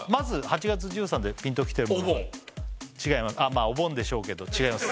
まあお盆でしょうけど違います